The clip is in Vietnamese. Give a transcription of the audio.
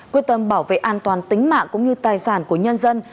quyết tâm bảo vệ an toàn tính mạng cũng như tài sản của nhân dân